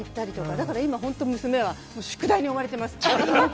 だから今、本当に娘は宿題に追われてます。